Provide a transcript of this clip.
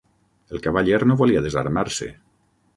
El cavaller no volia desarmar-se.